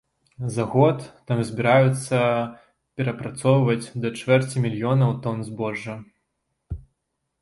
За год там збіраюцца перапрацоўваць да чвэрці мільёнаў тон збожжа.